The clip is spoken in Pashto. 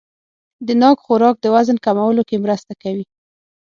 د ناک خوراک د وزن کمولو کې مرسته کوي.